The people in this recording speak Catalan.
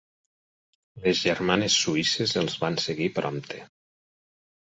Les germanes suïsses els van seguir prompte.